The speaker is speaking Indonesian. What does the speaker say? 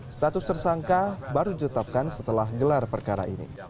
status tersangka baru ditetapkan setelah gelar perkara ini